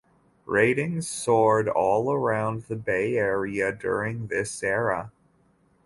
Ratings soared all around the Bay Area during this era.